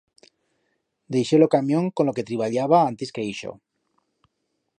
Deixé lo camión con lo que triballaba antis que ixo.